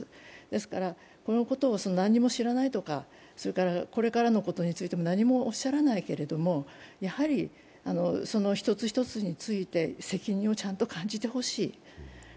ですからこのことを、何も知らないとかこれからのことについて何もおっしゃらないけれど、やはりその一つ一つについて責任をちゃんと感じてほしい。